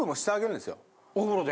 お風呂で？